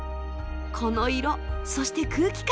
この色そして空気感